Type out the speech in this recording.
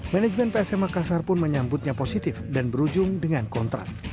manajemen psm makassar pun menyambutnya positif dan berujung dengan kontrak